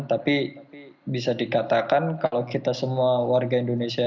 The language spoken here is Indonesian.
tapi bisa dikatakan kalau kita semua warga indonesia